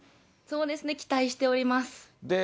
そうですね、期待しております。